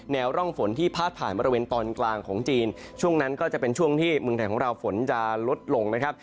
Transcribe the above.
ร่องฝนที่พาดผ่านบริเวณตอนกลางของจีนช่วงนั้นก็จะเป็นช่วงที่เมืองไทยของเราฝนจะลดลงนะครับ